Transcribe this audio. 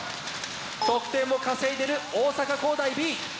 得点も稼いでいる大阪公大Ｂ。